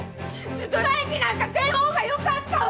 ストライキなんかせん方がよかったわ！